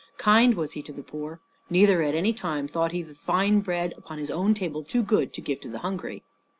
Kind was he to the poor, neither at any time thought he the fine bread upon his own table too good to give to the hungry.